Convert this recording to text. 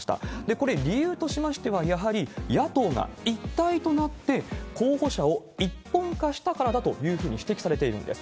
これ、理由としましては、やはり野党が一体となって、候補者を一本化したからだというふうに指摘されているんです。